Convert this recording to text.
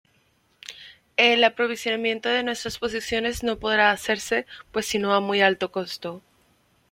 El aprovisionamiento de nuestras posiciones no podrá hacerse pues sino a muy alto costo.